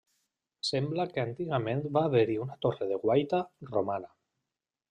Sembla que antigament va haver-hi una torre de guaita romana.